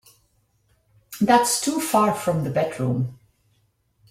That's too far from the bedroom.